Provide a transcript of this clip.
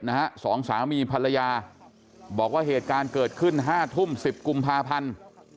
สองสามีภรรยาบอกว่าเหตุการณ์เกิดขึ้นห้าทุ่มสิบกุมภาพันธ์